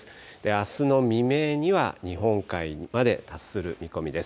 あすの未明には日本海まで達する見込みです。